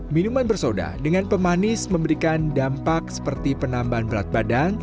minuman bersoda dengan pemanis memberikan dampak seperti penambahan berat badan